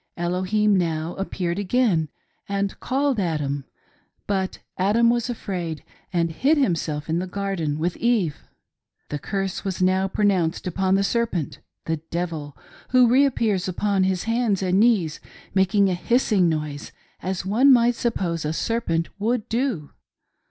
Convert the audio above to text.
Elohim now appeared again, and called Adam ; but Adam was afraid, and hid himself in the garden with Eve. The curse was now pro nounced upon the serpent^— the devil — who reappears upon his hands and knees, making a hissing noise as one might sup pose a serpent would do.